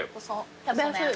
食べやすい。